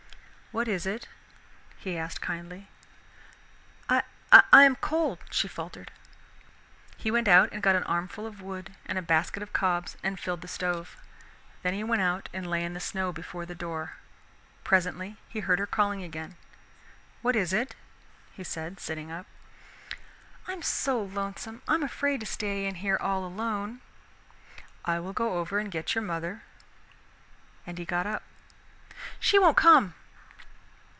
"What is it?" he asked kindly. "I am cold," she faltered. He went out and got an armful of wood and a basket of cobs and filled the stove. Then he went out and lay in the snow before the door. Presently he heard her calling again. "What is it?" he said, sitting up. "I'm so lonesome, I'm afraid to stay in here all alone." "I will go over and get your mother." And he got up. "She won't come."